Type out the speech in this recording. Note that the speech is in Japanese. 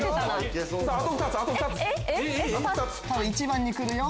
１番に来るよ。